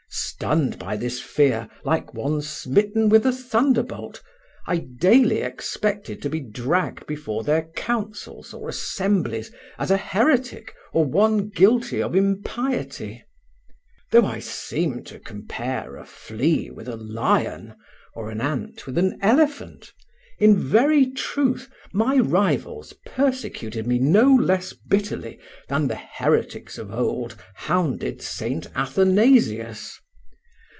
Stunned by this fear like one smitten with a thunderbolt, I daily expected to be dragged before their councils or assemblies as a heretic or one guilty of impiety. Though I seem to compare a flea with a lion, or an ant with an elephant, in very truth my rivals persecuted me no less bitterly than the heretics of old hounded St. Athanasius.